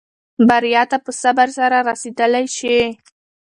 بریا ته په صبر سره رسېدلای شې.